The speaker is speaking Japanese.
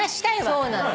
そうなの。